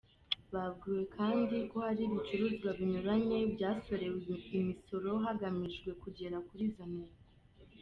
Babwiwe kandi ko hari ibicuruzwa binyuranye byasonewe imisoro hagamijwe kugera kuri izo ntego.